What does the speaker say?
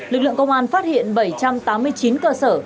lực lượng công an phát hiện bảy trăm tám mươi chín cơ sở